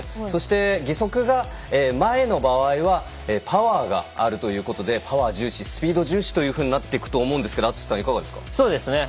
そして義足が前の場合はパワーがあるということでパワー重視スピード重視というふうになっていくと思うんですけど篤さん、いかがですか。